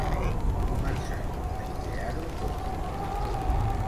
Comença a idear-ho tot.